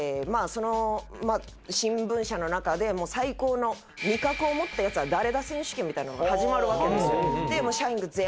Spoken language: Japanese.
その新聞社の中で最高の味覚を持ったヤツは誰だ選手権みたいなのが始まるわけですよ。で社員が全員集められて。